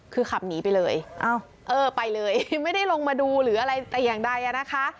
คือขับหนีไปเลยไปเลยไม่ได้ลงมาดูหรืออะไรแต่อย่างใดอ่ะนะคะ